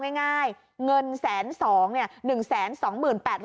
เอาง่ายเงินแสนสอง